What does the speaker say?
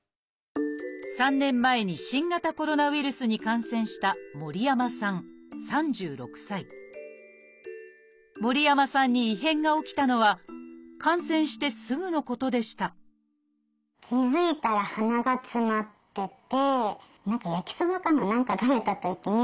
３年前に新型コロナウイルスに感染した森山さんに異変が起きたのは感染してすぐのことでしたっていうか薄いなって感じて